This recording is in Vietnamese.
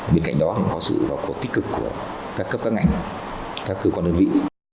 bên cạnh đó cũng có sự tích cực của các cấp các ngành các cơ quan đơn vị